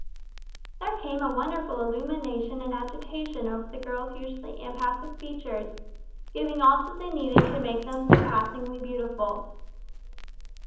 There came a wonderful illumination and agitation over the girl's usually impassive features, giving all that they needed to make them surpassingly beautiful.